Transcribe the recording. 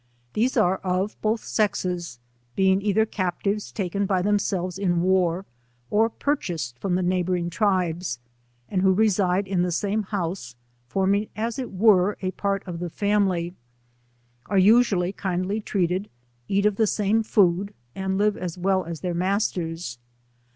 These ajc of bo'h sexes, being either captives taken by them selves in war, or purchased from the neighbouring tribes, and who reside in the same house, forming as it were a part of the family, are usually kindly treated, eat of the same food, and live as well as their masters.